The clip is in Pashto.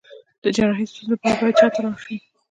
د جراحي ستونزو لپاره باید چا ته لاړ شم؟